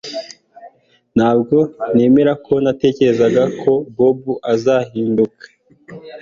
Ntabwo nemera ko natekerezaga ko Bobo azahinduka